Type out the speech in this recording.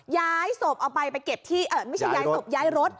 ย้ายศพเอาไปไปเก็บที่ไม่ใช่ย้ายศพย้ายรถ